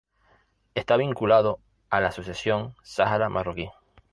Está vinculado a la Asociación Sáhara Marroquí.